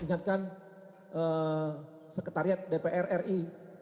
ingatkan sekretariat dpr ri